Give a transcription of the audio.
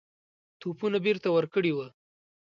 توپونه بیرته ورکړي وه.